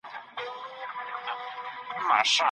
د عزت ژوند